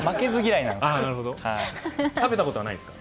食べたことはないんですか。